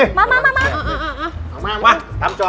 เอามาทำจอบ